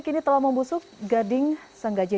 kini telah membusuk gading sang gajah